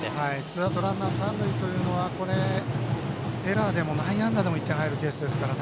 ツーアウトランナー、三塁というのはエラーでも内野安打でも１点入るケースなので。